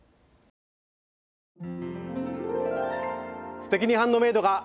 「すてきにハンドメイド」が。